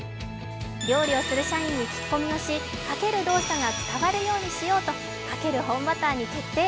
料理をする社員に聞き込みをし、かける動作が伝わるようにしようとかける本バターに決定。